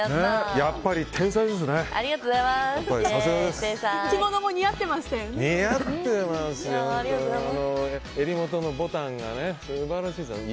やっぱり天才ですね。